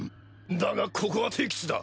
だがここは敵地だ。